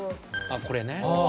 あこれね。